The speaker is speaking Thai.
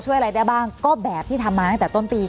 อะไรได้บ้างก็แบบที่ทำมาตั้งแต่ต้นปี